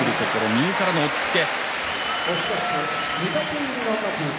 右からの押っつけ。